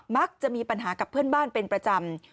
มักจะมีปัญหากับเพื่อนบ้านเป็นประจำ